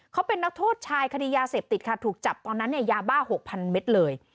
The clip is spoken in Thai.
เขาเป็นนักโทษชายคดียาเสพติดค่ะถูกจับตอนนั้นเนี่ยยาบ้า๖๐๐เมตรเลย